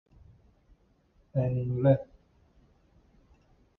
en inglés